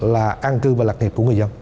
là an cư và lạc hiệp của người dân